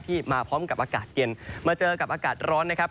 มาพร้อมกับอากาศเย็นมาเจอกับอากาศร้อนนะครับ